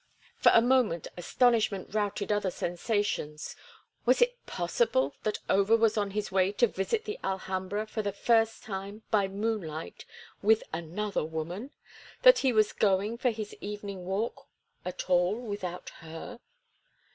For a moment astonishment routed other sensations. Was it possible that Over was on his way to visit the Alhambra for the first time by moonlight with another woman?—that he was going for his evening walk at all without her?